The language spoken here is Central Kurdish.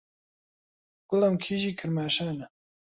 گوڵم کیژی کرماشانا